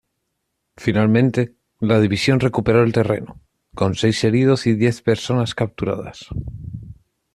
Finalmente, la División recuperó el terreno, con seis heridos y diez personas capturadas.